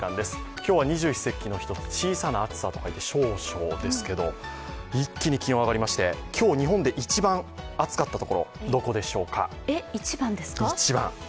今日は二十四節気の一つ、小さな暑さと書いて小暑ですけど一気に気温が上がりまして今日、日本で一番暑かったところどこでしょうか？